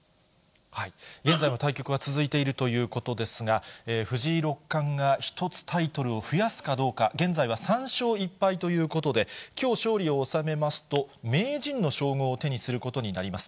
現在も対局は続いているということですが、藤井六冠が１つタイトルを増やすかどうか、現在は３勝１敗ということで、きょう勝利を収めますと、名人の称号を手にすることになります。